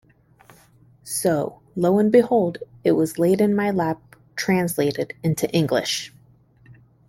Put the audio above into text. So, lo and behold, it was laid in my lap, translated into English!